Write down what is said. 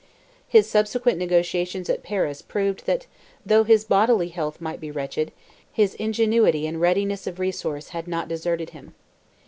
His subsequent negotiations at Paris proved that though his bodily health might be wretched, his ingenuity and readiness of resource had not deserted him.